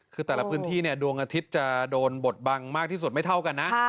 คือแต่ละพื้นที่เนี่ยดวงอาทิตย์จะโดนบทบังมากที่สุดไม่เท่ากันนะ